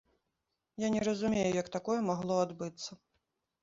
Я не разумею, як такое магло адбыцца.